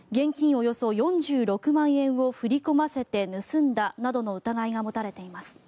およそ４６万円を振り込ませて盗んだなどの疑いが持たれています。